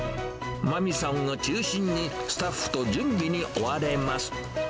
真美さんを中心に、スタッフと準備に追われます。